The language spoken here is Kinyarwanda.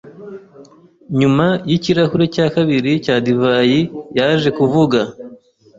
Nyuma yikirahure cya kabiri cya divayi, yaje kuvuga.